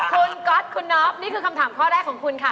คุณก๊อตคุณนอฟนี่คือคำถามข้อแรกของคุณค่ะ